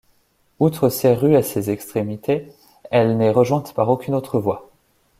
Outre ces rues à ses extrémités, elle n'est rejointe par aucune autre voie.